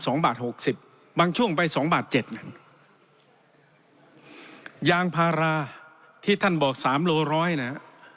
สองบาทหกสิบบางช่วงไปสองบาทเจ็ดหนึ่งยางพาราที่ท่านบอกสามโลร้อยนะฮะ